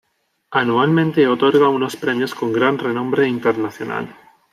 Anualmente otorga unos premios con gran renombre internacional.